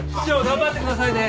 頑張ってくださいね。